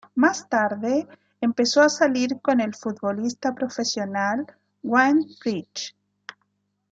Más tarde empezó a salir con el futbolista profesional Wayne Bridge.